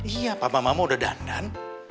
iya papa mama udah dandan